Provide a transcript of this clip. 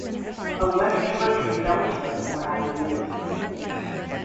A west front and bell turret were added later.